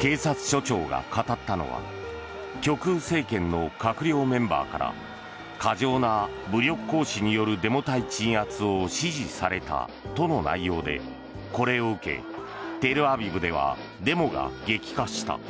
警察署長が語ったのは極右政権の閣僚メンバーから過剰な武力行使によるデモ隊鎮圧を指示されたとの内容でこれを受けテルアビブではデモが激化した。